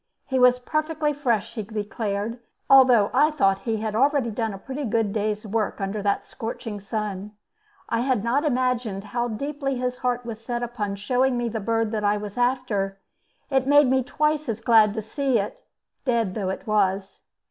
He was perfectly fresh, he declared, although I thought he had already done a pretty good day's work under that scorching sun. I had not imagined how deeply his heart was set upon showing me the bird I was after. It made me twice as glad to see it, dead though it was.